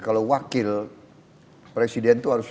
kalau wakil presiden itu harus